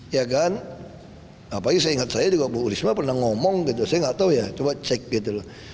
ya kan apalagi saya ingat saya juga bu risma pernah ngomong gitu saya nggak tahu ya coba cek gitu loh